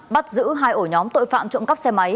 bắt giữ hai ổ nhóm tội phạm trộm cắp xe máy